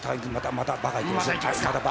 また「バカ」いきます。